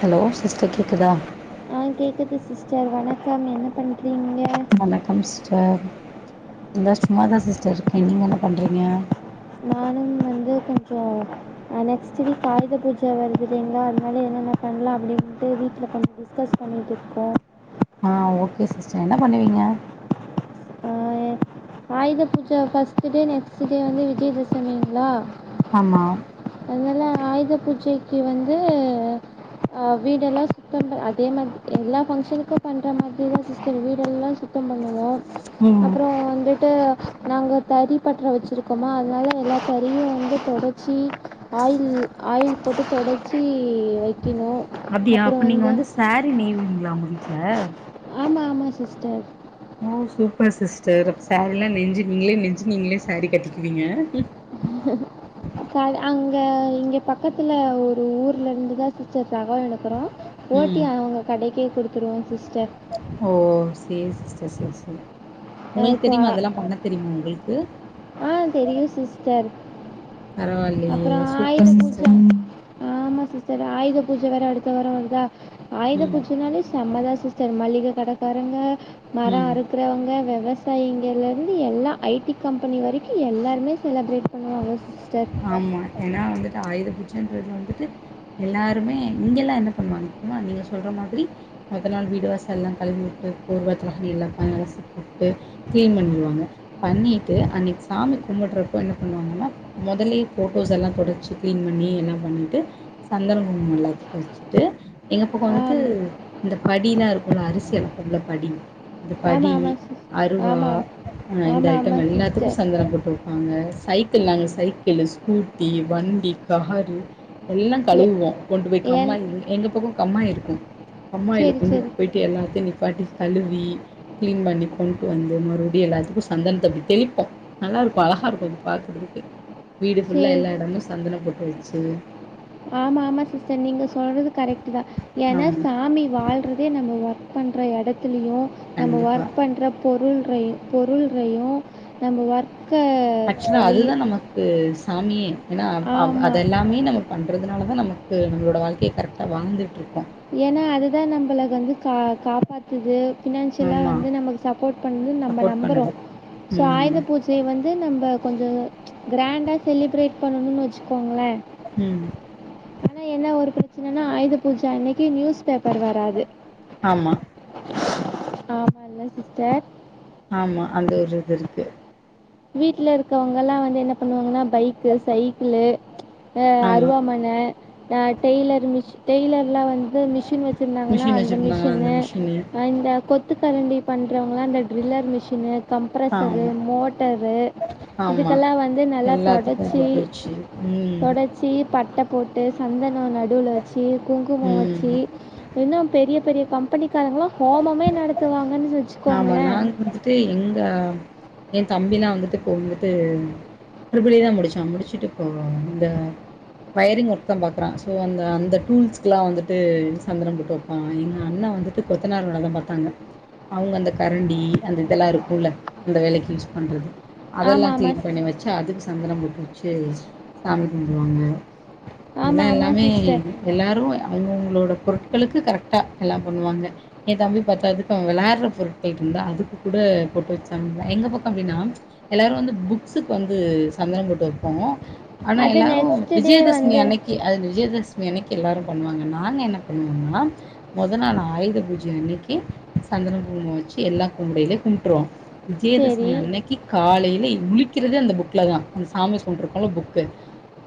Hello sister கேக்குதா ஆ கேக்குது சிஸ்டர் வணக்கம் என்ன பண்றீங்க வணக்கம் சிஸ்டர் இந்தா சும்மாதா சிஸ்டர் இருக்கே நீங்க என்ன பண்றீங்க நானும் வந்து கொஞ்சோ நெக்ஸ்ட் வீக் ஆயுத பூஜை வருதுறீங்களா அதனால என்னென்ன பண்ணலா அப்டீன்ட்டு வீட்ல கொஞ்சோ டிஸ்கஸ் பண்ணிட்டு இருக்கோ ஆ ஓகே சிஸ்டர் என்ன பண்ணுவீங்க ஆ, Ayudha Puja first day next day வந்து விஜயதசமிங்களா ஆமா அதனால ஆயுத பூஜைக்கு வந்து வீடெல்லா சுத்தம் அதே மாரி எல்லா ஃபங்க்ஷனுக்கோ பண்ணுற மாதிரி தான் சிஸ்டர் வீடெல்லா சுத்தோ பண்ணுவோ ம் அப்புறோ வந்துட்டு நாங்க தறி பட்டற வெச்சிருக்கோமோ அதனால எல்லா தறியோ வந்து தொடச்சி ஆயில் ஆயில் போட்டு தொடச்சி வை அப்டியா அப்ப நீங்க வந்து சாரி நெய்வீங்களா உங்க வீட்ல வீட்ல ஆமா ஆமா சிஸ்டர் ஓ சூப்பர் சிஸ்டர் அப்ப சாரீலா நெஞ்சு நீங்களே நெஞ்சு நீங்களே சாரீ கட்டிக்குவீங்க ச அங்க இங்க பக்கத்துல ஒரு ஊர்ல இருந்து தான் சிஸ்டர் தகவல் எடுக்கிறோ போஓட்டி ம் அவங்க கடைக்கே குடுத்துருவோம் சிஸ்டர் ச சரி சரி உங்குளுக்கு இப்போ தெரியுமா அதெல்லாம் பண்ண தெரியுமா உங்குளுக்கு இது ஆ தெரியு சிஸ்டர் பரவாயில்லயே அப்புறோ ஆயுத சூப்பர் பூஜ சிஸ்டர் ஆமா சிஸ்டர் ஆயுத பூஜை வேற அடுத்த வாரோ வருதா ஆயுத ம் பூஜ்ஜனாலே சம்மதா சிஸ்டர் மளிகை கடக்காரங்க மரம் ம் அறுக்கறவுங்க விவசா இங்க இருந்து எல்லா ஐ டி கம்ப பணி வரைக்கோம் எல்லாருமே செலபரேட் பண்ணுவாங்க சிஸ்டர் ஆமா ஏனா வந்து க் ஆயுத பூஜன்றது வந்துட்டு எல்லாருமே இங்க எல்லா என்ன பண்ணுவாங்க நீங்க சொல்ற மாதிரி மொத நாள் வீடு வாசல் எல்லா கழுவி வுட்டு போர்வ தலகாணி எல்லா பாய் அலாசிப்போட்டு கிளீன் பண்ணுவாங்க பண்ணிட்டு அன்னிக்கு சாமி கும்புடறப்ப என்ன பண்ணுவாங்கனா மொதலே ஃபோட்டோஸ் எல்லா தொடச்சு கிளீன் பண்ணி எல்லா பண்ணிட்டு சந்தன குங்கும எல்லா வெச்சுட்டு எங்க பக்கோ வந்துட்டு ஆம் இந்த படிலா இருக்கோல்ல அரிசியலப்போ இல்ல படி அது ஆமா படி ஆமா சிஸ் அறுவா ஆமா ஆ இந்த ஆமா ஆமா ஐட்டம் எல்லாத்துக்கு சிஸ்டர் சந்தன பொட்டு வப்பாங்க சைக்கிள் நாங்க சைக் இல்ல ஸ்கூட்டி வண்டி காரு எல்லா கழுவுவோ கொண்டு போய் ஏன் கம்மாய் எங்க பக்கம் கம்மாய் இருக் க்கு கம்மாயில சரி கொண்டு சரி போய்ட்டு எல்லாத்யு நிப்பாட்டி கழுவி கிளீன் பண்ணி கொண்டு வந்து மறுபடியு எல்லாத்துக்கு சந்தனத்த அப்டி தெளிப்போ நல்லா இருக்கு அழகா இருக்கு அது பாக்கறதுக்கு வீடு ஃபுல்ல சரி எல்லா எடமு சந்தன பொட்டு வச் ஹ்ம் ஆமா ஆமா சிஸ்டர் நீங்க சொல்றது கரெக்ட்டுதா ஏன்னா ஆமா சாமி வாழ்றதே நம்ம ஒர்க் பண்ற எடத் த்துயூ நம்ம கண்டிப்பா ஒர்க் பண்ற பொருள் ரையு பொருள் ரையு நம்ம வொர்க் அச்சுதா அதுதா நமக்கு சாமியே ஏன்னா அவ் அவ் ஆமா. அதெல்லாமே நம்ம பண் இருகறனாலதா நமக்கு நம்ளோட வாழ்க்கைய கரெக்டா வாழ்ந்துட்டு இருக்கோ ஏன்னா அதுதா நம்மள வந்து கா காப்பாத்துது ஃபினான்ஷியலா ஆமா வந்து நமக்கு சப்போட் பண்ணுது நம்ம சப்போர்ட் நம்பறோ பண்ணுது ஸோ ஆயுத ம் பூஜைய வந்து நம்ம கொஞ்சோ கிரேண்டா செலிப்ரேட் பண்ணுனு வச்சுக்கோங்களே ஹ்ம் ஆனா என்ன ஒரு பிரச்சனனா ஆயுத பூஜ அன்னைக் க்கி நியூஸ் பேப்பர் வராது ஆமா ஆமால சிஸ்டர் ஆமா அந்த ஒரு இது இருக்கு வீட்ல இருக்கவங்க எல்லா வந்து என்ன பண்ணுவாங்கன்னா பைக்கு சைக்கிளு ஆஹ் ஆமா அருவாமன ஆ டெய்லர்மிஸ் டெயலர் எல்லா வந்து மிஷின் வச்சுருந்தாங்கன்னா மிஷின் அந்த வச்சிருந்தாங்களா அந்த மிஷினு இந்த கொத் த்கரண்டி பண் இக்கவங்கல்லா இந்த ட்ரில்லர் மிஷினு கம்ப்ரசர்ரு ஆமா மோட் ட்டரு ஆமா இதுக்கெல்லா வந்து நல்லா எல்லாத்துக்கும் தொடச்சு போட்டு வச்சு ம் தொடச்சு பட்ட போட்டு சந்த அ நடுவுல வெச்சு குங்குமோ வெச்சு ம் இன்னு பெரிய பெரிய கம்பெனிக்காரங்களா ஹோமமே நடத்துவாங்கன்னு ஆமா வச்சுக்கோங்களேன் நாங்க வந்துட்டு எங்க என் தம்பி எல்லா வந்துட்டு இப்போ வந்துட்டு ட்ரி பில் ஈ தா முடிச்சா முடிச்சுட்டு இப்போ இந்த வயரிங் ஒர்க் தா பாக்குறா சோ அந்த அந்த டூல்ஸ்க்க எல்லா வந்துட்டு சந்தனம் போட்டு வைப்பா எங்க அண்ணா வந்துட்டு [unintelligible] பாத்தாங்க அவங்க அந்த கரண்டி அந்த இதெல்லா இருக்குல அந்த வேலைக்கு யூஸ் பண்றது அதெல்லா ஆமாம் ஆமாம் கிளீன் சிஸ் பண்ணி வெச்சு அதுக்கு சந்தனம் போட்டு வெச்சு சாமி கும்டுவாங்க இத ஆமாம் ஆமாம் எல்லாமே சிஸ்டர் எல்லாரு அவங்கவுங்களோட பொருட் களுக்கு கரெக்கா எல்லா பண்ணுவாங்க என் தம்பி பத்ததுக்கு அவ விளட் அ பொருட்கள் இருந்த அதுக்கு கூட போட்டு வெச்சங்க எங்க பக்கம் எப்டினா எல்லாரு வந்து புக்ஸுக்கு வந்து சந்தனம் போட்டு வெப்போ ஆனா அது எல்லாறோ நெக்ஸ்ட் டே விஜயதசமி வந்து அன்னைக்கு அது விஜயதஸ் மி அனைக்கு எல்லாரு பண்ணுவாங்க நாங்க என்ன பண்ணுவோனா மொதல் நாள் ஆயுத பூஜை அன்னைக்கு சந்தன குங்குமோ வெச்சு எல்லா கும்டைலயே கும்ட்டுறுவோ விஜயதசமி சரி அன்னைக்கு காலைல இட்லி க்கிறது அந்த புக்ல தா அந்த சாமி கொண் இருக்கற புக்கு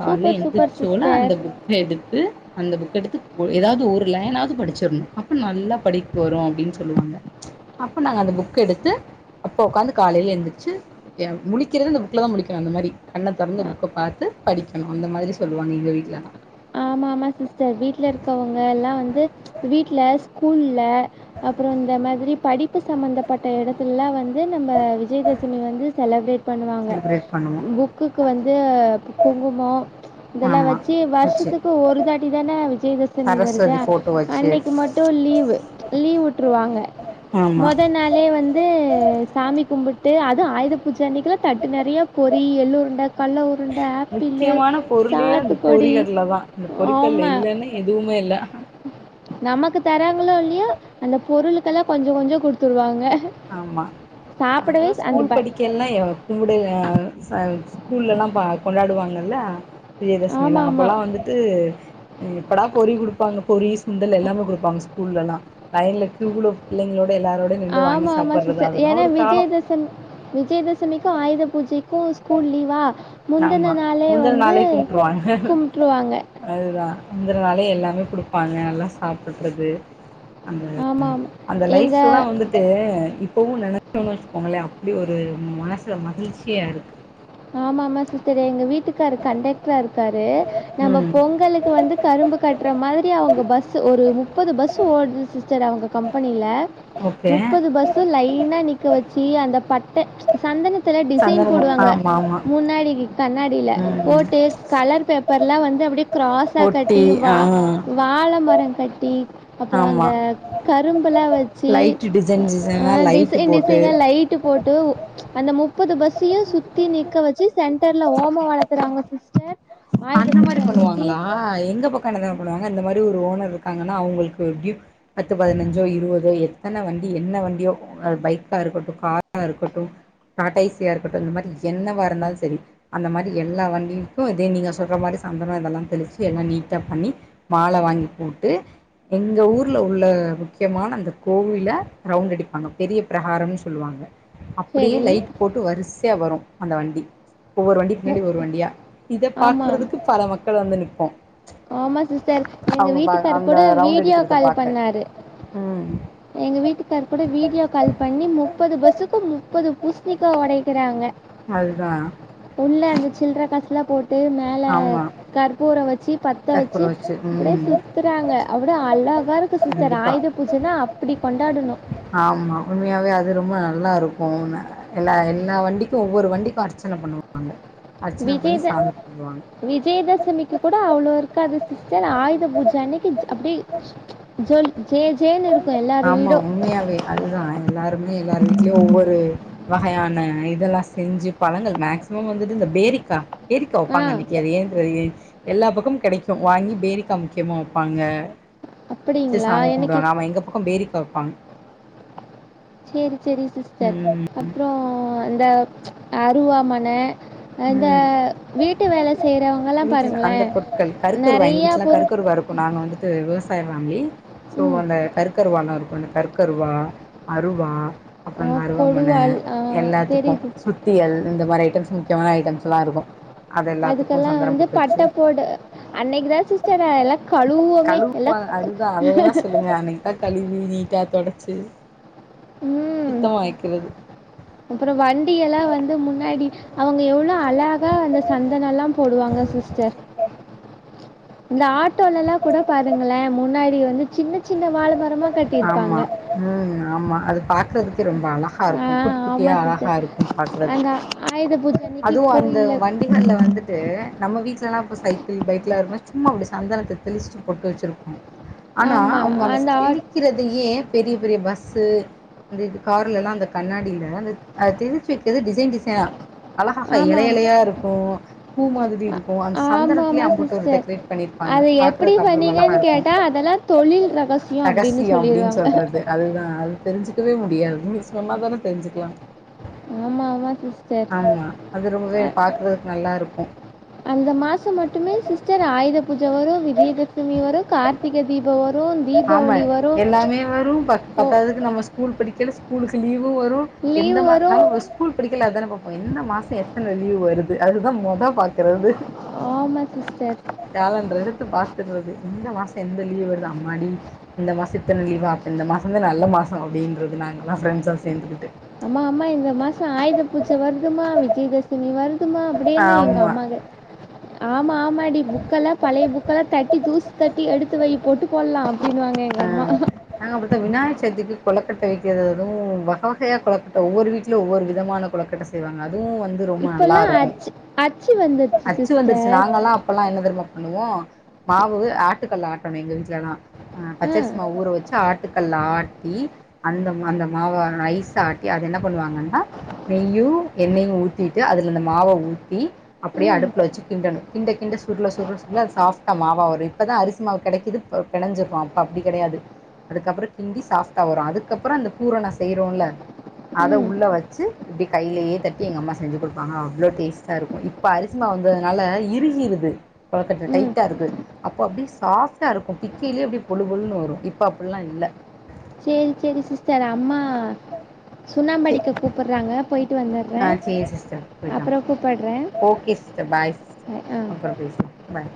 காலா சூப்பர் சூப்பர் எந்திரிசோன சிஸ்டர் அந்த புக்க எடுத்து அந்த புக் எடுத்து ஏதாவது ஒரு லைனாவது படிச்சிட்னோ அப்ப நல்லா படிப்பு வரும் அப்டின்னு சொல்லுவாங்க அப்போ நாங்க அந்த புக் எடுத்து அப்போ உக்காந்து காலைல எந்திச்சு அ முளிக்கிறது இந்த புக்கலதா முளிக்குவே அந்த மாரி கண்ண துறந்த புக்க பாத்து படிக்கனோ அந்த மாரி சொல்வாங்க எங்க வீட்லல ஆமா ஆமா சிஸ்டர் வீட்ல இருக்கவங்க எல்லா வந்து வீட்ல ஸ்கூல்ல அப்றோ இந்த மாதிரி படிப்பு சம்மந்தப்பட்ட இடத்துல்லா வந் து நம்ம விஜயதசமி வந்து செலப்ரேட் பண்ணுவாங்க செலிப்ரேட் பண்ணுவோ புக்குக்கு வந்து குங்குமோ இதெல்லா ஆமா வச்சு வச்சு வருஷத்துக் ஒரு தாட்டி தானே விஜயதசமி வருது சரஸ்வதி அ போட்டோ வச்சு அன்னைக்கு மட்டு லீவு லீவ்வுட்ருவாங்க ஆமா மொதல் நாளே வந்து அ சாமி கும்பிட்டு அது ஆயுத பூஜ் அன்னிக்குல தட்டு நறியா பொறி எல்லூர் முக்கியமான பொருளே அந்த சாத்துக்குடி பொறிகடல தா அந்த பொறிகடல ஆமா. இல்லனா எதுவுமே இல்ல நமக்கு தராங்களோ இல்லியோ அந்த பொருளுக்கெல்லா கொஞ்சோ கொஞ்சோ குடுத்துவுடுவாங்க ஆமா நாங்காலோ ஸ்கூல் ப படிக்கனு எவ்ளோ எங்களுடைய [unintelligible] ஸ்கூல்ல எல்லா பா கொண்டாடுவாங்கல்ல விஜயதசமி எல்லா ஆமாமா. அப்போலா வந்துட்டு எப்படா பொறி கொடுப்பாங்க பொரி சுண்டல் எல்லாமே குடுப்பாங்க ஸ்கூல்ல எல்லா லைன்ல கியூலோ பிள்ளைங்களோ எல்லாரோடு நின்று வாங்கி ஆமா சாப்புட்றது சிஸ்டர் அதெல்லா ஏன்னா ஒரு காலோ விஜயதசமி விஜயதசமிக்கும் ஆயுத பூஜைக்கும் ஸ்கூல் லீவா முந்தின ஆமா நாளே முந்தன வந்து நாளே கும்ட்டு்ருவாங்க முந்தினாளே எல்லாமே குடுப்பாங்க எல்லா சாப்டுறது அ ஆமாமா. அந்த எங்க லைஃப் எல்லாம் வந்துட்டு இப்பவும் நெனச்சோன்னு வச்சுக்கோங்களேன் அப்படி ஒரு மனசுல மகிழ்ச்சியா இருக்கு ஆமா ஆமா சிஸ்டர் எங்க வீட்டுக்கரு கண்டக்டரா இருக்காரு நம்ம ம் பொங்கலுக்கு வந்து கரும்பு கட்டுற மாரி அவங்க பஸ் ஒரு முப்பது பஸ் ஓடுது சிஸ்டர் அவங்க கம்பெனியில ஓகே முப்பது பஸ் லைனா நிக்க வச்சு அந்த பட்டை சந்தனத்துல டிசைன் சந்தனமு போடுவாங்க ஆமா ஆமா முன்னாடி கண்ணாடியில ம் போட்டு கலர் பேப்பர்லாம் வந்து அப்டி கிராஸா ஒட்டி கட்டி ஆ வா வாழை மரம் கட்டி அப்புறோ அந்த ஆமா கரும்புல்லாம் வச்சு லைட் டிசைன் டிசைனா லைட்டு டிசைன் போட்டு டிசைன லைட்டு போட்டு அந்த மு முப்பது பஸ்யு சு சுத்தி நிக்க வச்சு சென் சென்டர்ல ஓம வளர்த்துறாங்க சிஸ்டர் ஆயுத அந்த மாரி பூஜை அன்னைக்கு பண்ணுவாங்களா எங்க பக்கம் என்ன தெரியும பண்ணுவாங்க அந்த மாரி ஒரு ஓனர் இருக்காங்கன்னா அவங்களுக்கு பத்து பதினஞ்சோ இருவதுதோ எத்தன வண்டி என்ன வண்டியோ பைக்க இருக்கட்டும் கார் அ இருக்கட்டும் காடைய்ஸிய இருக்கட்டும் இந்த மாரி என்னவ இருந்தாலும் செரி அந்த மாரி எல்லா வண்டிக்கு இதே நீங்க சொல்ற மாரி சந்தனம் இதெல்லாம் தெளிச்சு எல்லா நீட்டா பண்ணி மால வாங்கி போட்டு எங்க ஊர்ல உள்ள முக்கியமான அந்த கோவில்ல ரவுண்ட அடிப்பாங்க பெரிய பிரகாரம்னு சொல்லுவாங்க அப்டியே சரி லைட் போட்டு வரிசையா வரும் அந்த வண்டி ஒவ்வொரு வண்டிக்கு மு பின்னாடி ஒரு வண்டியா இத பாக்கறதுக்கு பல மக்கள் வந்து நிப்போம் ஆமா சிஸர் எங்க வீட்டுக்காரர் அந்த கூட ரவுண்ட் வீடியோ அடிக்கிறத கால் பாக்க பண்ணாரு ம் எங்க வீட்டுக்கார் கூட வீடியோ கால் பண்ணி மு முப்பது பஸ்க்கும் முப்பது புஸ்னிக்கா உடைக்கிறாங்க அதுதான் இல்ல அந்த சில்லற கசுல போட் ட்டு மேல ஆமா கற்பூர வச்சு பத்த கற்பூர வச்சு அப்டியே ம் சுத்துறாங்க அவ்ளோ அழகா இருக்கு சிஸ்டர் கண்டிப்பா ஆயுத பூஜன்னா அப்டி கொண்டாடணு ஆமா உண்மையாவே அது ரொம்ப நல்லா இருக்கும் எல்லா எல்லா வண்டிக்கும் ஒவ்வொரு வண்டிக்கும் அர்ச்சனை பண்ணுவாங்க அர்ச்சன பண்ணி விஜயத சாமி கும்புடுவாங்க விஜயதசமிக்கு கூட அவ்ளோ இருக்கு காது சிஸ்டர் ஆயுத பூஜை அன்னைக்கு அப்படி ஜே ஜே ஜேன்னு இருக்கு ஆமா உண்மையாவே அதுதான் எல்லாருமே எல்லாரு வீட்லயும் ஒவ்வொரு வகையான ஆஹ் இதெல்லாம் செஞ்சு பழங்கள் மேக்சிமம் வந்துட்டு இந்த பேரிக்கா பேரிக்கா ஆ வப்பாங்க அன்னைக்கு அது ஏன் தெரியல எல்லா பக்கமும் கிடைக்கும் வாங்கி பேரிக்காய் முக்கியமா வைப்பாங்க வச்சு அப்படிங்களா சாமி எனக்கு கும்பிடுவாங்க அவன் எங்க பேரிக்கா வெப்பாங் செரி செரி சிஸ்டர் அப்புறோ அந்த அருவாமன அந்த ம் வீட்டு வேல செய்யறவங்கல்லா வீட்டில் பாருங்களே அந்த பொருட்கள் கருக்கருவா நெறைய பொருட் சாயோ ஃபேம்லி சோ ம். அந்த கருக்கருவால்லாருக் ஒன்னு கருக்கருவா அருவா அ அப்புறோ இந்த அருவாமன கொடுவாள் ஆ எல்லாத்துக்கு தெரியுது. சுத்தியல் இந்த மாரி ஐட்டம்ஸ் இந்த மாரி ஐட்டம்ஸ்ல்லாருக்கு அதுக்கெல்லா வந்து பட்ட போட அன்னைக்குதா சிஸ்டர் எல்லா கலுவோமே கழுவ எல்லாத் அதுதான் அத வேணா சொல்லுங்க அன்னைக்கு தான் கழுவி நீட்டா தொடச்சி ம் அப்புறோ வண்டி எல்லா வந்து முன்னாடி அவங்க எவ்ளோ அலகா அந்த சந்தனோல்லா போடுவாங்க சிஸ்டர் இந்த ஆட் டோல்லல்லா கூட பாருங்களே முன்னாடி வந்து சின்ன சின்ன வாழை மரமா ஆமா கட்டியிருப்பாங்க. ம் ஆமா அது பாக்குறதுக்கே ரொம் ப ஆ அழகாருக்கு குட்டி ஆமா குட்டியா சிஸ்டர் அழகாருக்கு அந்த பாக்குறதுக்கு ஆயுத பூஜ அன்னைக்கு அதுவு அந்த கோயில்ல வண்டிகள்ல வந்துட்டு நம்ம வீட் ஃபஸ்டெல்லா அப்போ சைக்கிள் பைக்ல எல்லாருமே சும்மா அப்டி சந்தனத்த தெளிச்சிட்டு பொட்டு வெச்சிருப்போ ஆனா ஆமா அவுங்க அந்த ஆட் தெளிக்கிறதுலியே பெரிய பெரிய பஸ்ஸு அந்த இது கார்ல எல்லா அந்த கண்ணாடில அந்த அத தெளிச்சி வெக்கிறது டிசைன் டிசைன் அழகாக எல ஆமாம் எலயாருக்கு பூ மாதிரி இருக்கு அந்த சந்தனத்திலியே ஆமாமா அம்புட்டு ஒரு சிஸ்டர் டெக்கரேட் பண்ணிருப்பாங்க அது எப்படி பாக்குறதுக்கு அவ்ளோ ஒரு பண்ணீங்கன்னு அழகாருக்கு கேட்டா அதெல்லா தொழில் அப்படின்னு ரகசியோ அப்டின் சொல்லிருவாங்க சொல்றது அதுதா தெரிஞ்சிக்கவே முடியாது நீ சொன்னாதான தெரிஞ்சிக்கலா ஆமாதா சிஸ் டர் அது ரொம்பவே அ பாக்குறதுக்கு நல்லா இருக்கு அந்த மாசம் மட்டுமே சிஸ்டர் ஆயித பூஜ வரு விஜயதசமி வரு கார்த்திக தீபோ‌ வர் ஆமா எல்லாமே வரு பத் ஓ பத்தாததுக்கு நம்ம ஸ்கூல் படிக்கேல ஸ்கூலுக் கு லீவ் வு வரு எந்த லீவு மா வரும் நம்ம ஸ்கூல் படிக்கேல அதான பாப் போ எந்த மாசோ எத்தன லீவ் வருது அதுதா மொத பாக் குறது ஆமா சிஸ்டர் கேலண்டர் எடுத்து பாத்துட்றது எந்த மாசோ எந்த லீவ் வருதா முன்னாடி இந்த மாசோ இத்தன லீவா அப்ப இந்த மாசோந் தா நல்ல மாசோ அப்டின்றது நாங்கல்லா ஃப்ரெண்ட்ஸா சேர்ந்துக்கிட்டு அம்மா அம்மா இந்த மாசோ ஆயுத பூஜ வருதுமா விஜயதசமி வருத் தும்மா அப்டின்னு எங்க ஆமா அம்மாக் ஆமா ஆமாடி புக்கெல்லா பழைய புக்கெல்லா தட்டி தூசு தட்டி எடுத்து வை பொட்டு போட்லா ஆ நாங்க அப்டி தா விநாயக சதுர்த்திக்கு கொலக் கொட்ட வெவிக்கிறது வக வகையா கொலக்கட்ட ஒவ்வொரு வீட்டிலு ஒவ்வொரு விதமான கொலக்கட்ட செய்வாங்க அதுவு வந்து ரொம்ப நல்லா இப்பெல்லாம் இருக்கு அச்சு அச்சு வந்துருச்சு அச்சு வந்துருச்சு சிஸ்டர் நாங்கல்லா அப்பலா என்ன தெருமா ப முவோ மாவு ஆட்டுக்கல்லு ஆட்டணு எங்க வீட்லல்லா ம் பச்சரிமாவு ஊற வச்சு ஆட்டுக்கல்ல ஆட் டி அந்த அந்த மாவ நைஸ்ஸா ஆட்டி அத என்னப் பண்ணுவாங்கன்னா நெய்யு வெண்ணெயையு ஊத்திட்டு அதில இந்த மாவ ஊத்தி அப்டியே ம் அடுப்புல வச்சு கிண்டணு கிண்ட கிண்ட சுருள சுருள சுருளா அது சாஃப்ட்டா மாவா வரு இப்ப தா அரிசி மாவு கெடைக்குது பெ பெனஞ்சிறோ இப்ப அப்டி கெடையாது அதுக்கப்பற கிண்டி சாஃப்ட்டா வரு அதுக்கப்புற அந்த பூரன செய்றோல அத ம் உள்ள வச்சு இப்டி கையிலயே தட்டி எங்க அம்மா செஞ்சுக்குடுப்பாங்க அவ்ளோ டேஸ்ட்டாருக்கு இப்ப அரிசிமாவு வந்ததனால இருகிருது கொலக்கட்ட ம் டைட்டா இருக்குது அப்போ அப்டியே சாஃப்ட்டா பிக்கைலயே அப்டியே பொழுப்பொழுன்னு வரு இப்ப அப்ட்லா இல்ல சரி சரி சிஸ்டர் அம்மா சே சுண்ணாம்படிக்க கூப்புட்றாங்க போயிட்டு வந்தர்றே ஆ சேரி சிஸ்டர் போயிட்டு வாங்க அப்பற கூப்பட்றே ஓகே சிஸ்டர் பாய் சிஸ்டர் ஆ ஆ அப்றோ பேசலா பாய்